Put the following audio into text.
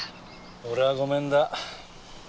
俺はごめんだ。